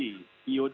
iod atau mgod